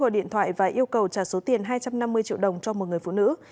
gọi điện thoại và yêu cầu trả số tiền hai trăm năm mươi triệu đồng cho một người phụ nữ